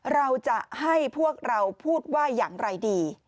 เราจะให้พวกเราพูดว่าอย่างไรดี